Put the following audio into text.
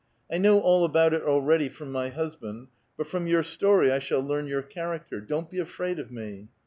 I know all about it already from my husband, but from your story I shall learn your character. Don't be afraid of me."